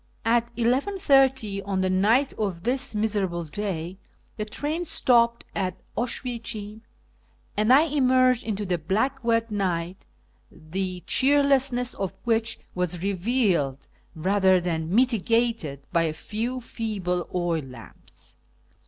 At 11.30 on the night of this miserable day the train stopped at Oswiecim, and I emerged into the black wet night, the cheerlessness of which was revealed rather than mitigated by a few feeble oil lamps.